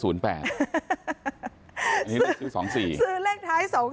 ซื้อเลขท้าย๒๔